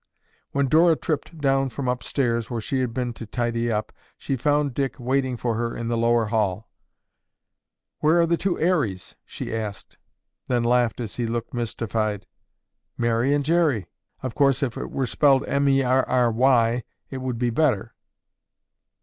When Dora tripped down from upstairs where she had been to tidy up, she found Dick waiting for her in the lower hall. "Where are the two Erries?" she asked, then laughed as he looked mystified. "Mary and Jerry. Of course if it were spelled Merry, it would be better."